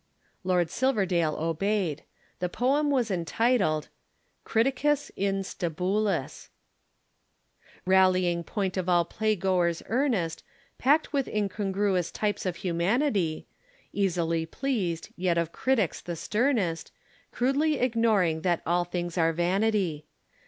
Lord Silverdale obeyed. The poem was entitled. CRITICUS IN STABULIS (?). Rallying point of all playgoers earnest, Packed with incongruous types of humanity, Easily pleased, yet of critics the sternest, Crudely ignoring that all things are vanity.